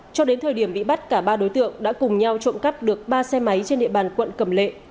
cho đến thời điểm bị bắt cả ba đối tượng đã cùng nhau trộm cắp được ba xe máy trên địa bàn quận cầm lệ